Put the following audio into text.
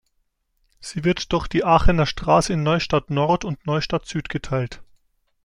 Sie wird durch die Aachener Straße in Neustadt-Nord und Neustadt-Süd geteilt.